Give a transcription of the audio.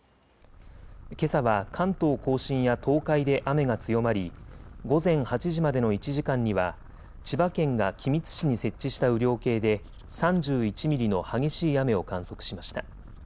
けさは関東甲信や東海で雨が強まり午前８時までの１時間には千葉県が君津市に設置した雨量計で３１ミリの激しい雨を観測しました。